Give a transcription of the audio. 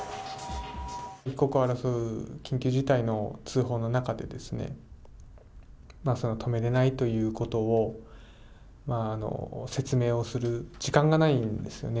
一刻を争う緊急事態の通報の中で、止めれないということを説明をする時間がないんですよね。